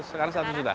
sekarang satu juta